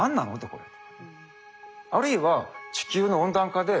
これ」とか。